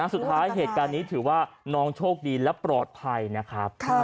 สุดท้ายเหตุการณ์นี้ถือว่าน้องโชคดีและปลอดภัยนะครับ